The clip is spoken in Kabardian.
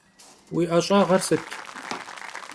Vui 'eş'ağer sıt?